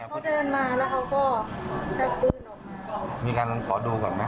เขาเดินมาแล้วเขาก็ชักปืนออกมามีการขอดูก่อนไหม